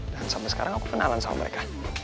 dan sampai sekarang aku kenalan sama mereka